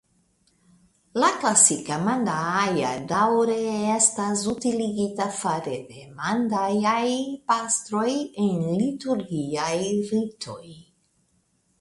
La klasika mandaaja daŭre estas utiligita fare de mandajaj pastroj en liturgiaj ritoj.